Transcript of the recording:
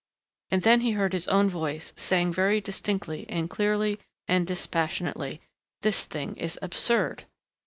And then he heard his own voice saying very distinctly and clearly and dispassionately, "This thing is absurd."